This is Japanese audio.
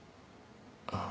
ああ。